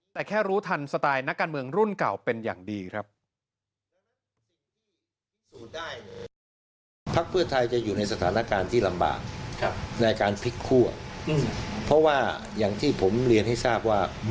แต่แค่รู้ทันสไตล์นักการเมืองรุ่นเก่าเป็นอย่างดีครับ